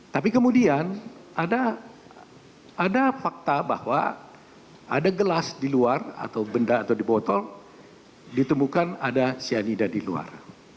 tapi kemudian ada fakta bahwa ada gelas di luar atau benda atau di botol ditemukan ada cyanida di luar